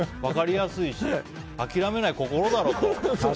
分かりやすいし諦めない心だろと。